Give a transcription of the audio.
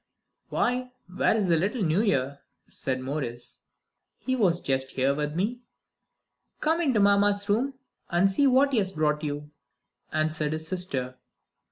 "Why, where is the little New Year?" said Maurice; "he was just here with me." "Come into Mamma's room and see what he has brought you," answered his sister.